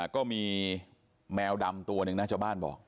ก็มีแมวดำตัวหนึ่งนะชาวบ้านบอก